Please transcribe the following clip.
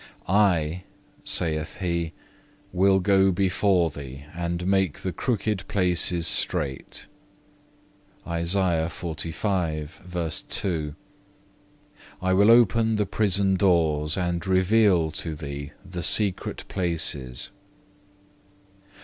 6. "I," saith He, "will go before thee, and make the crooked places straight."(2) I will open the prison doors, and reveal to thee the secret places.